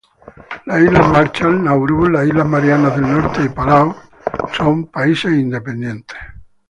Las Islas Marshall, Nauru, las Islas Marianas del Norte y Palaos son países independientes.